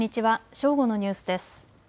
正午のニュースです。